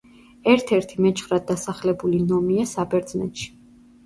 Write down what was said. ერთ-ერთი მეჩხრად დასახლებული ნომია საბერძნეთში.